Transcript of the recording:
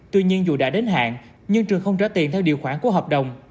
tuy nhiên dù đã đến hạn nhưng trường không trả tiền theo điều khoản của hợp đồng